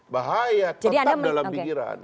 bahaya tetap dalam pikiran